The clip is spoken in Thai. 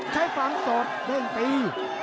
ใช้ฝั่งสดเล่นตี